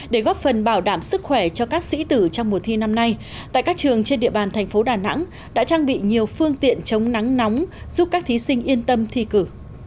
để góp phần bảo đảm sức khỏe cho các sĩ tử trong mùa thi năm nay tại các trường trên địa bàn thành phố đà nẵng đã trang bị nhiều phương tiện chống nắng nóng giúp các thí sinh yên tâm thi cử